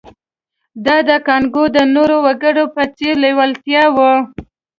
دا د کانګو د نورو وګړو په څېر لېوالتیا وه